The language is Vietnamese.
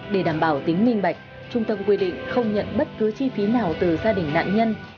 để đảm bảo tính minh bạch trung tâm quy định không nhận bất cứ chi phí nào từ gia đình nạn nhân